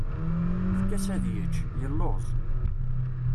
Efk-as ad yečč, yeluẓ.